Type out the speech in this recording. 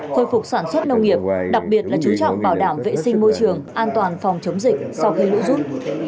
khôi phục sản xuất nông nghiệp đặc biệt là chú trọng bảo đảm vệ sinh môi trường an toàn phòng chống dịch sau khi lũ rút